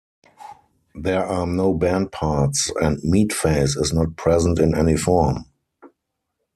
There are no band parts and "Meatface" is not present in any form.